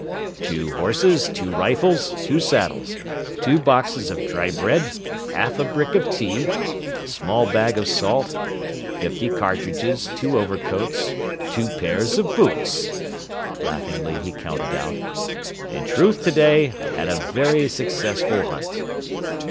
"Two horses, two rifles, two saddles, two boxes of dry bread, half a brick of tea, a small bag of salt, fifty cartridges, two overcoats, two pairs of boots," laughingly he counted out. "In truth today I had a very successful hunt."